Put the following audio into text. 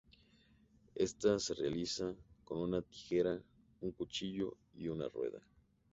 Ésta se realiza con unas tijeras, un cuchillo y una rueda.